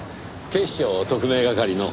警視庁特命係の。